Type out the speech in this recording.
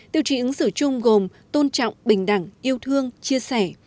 tiêu chí ứng xử chung gồm tôn trọng bình đẳng yêu thương chia sẻ